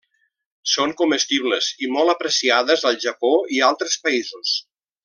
Són comestibles i molt apreciades al Japó i altres països.